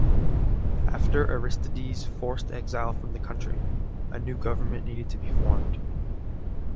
After Aristide's forced exile from the country, a new government needed to be formed.